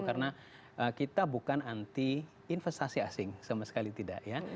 karena kita bukan anti investasi asing sama sekali tidak ya